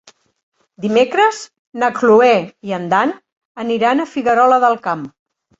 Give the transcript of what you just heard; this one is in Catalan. Dimecres na Cloè i en Dan aniran a Figuerola del Camp.